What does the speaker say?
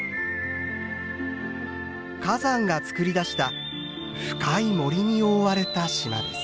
火山がつくり出した深い森に覆われた島です。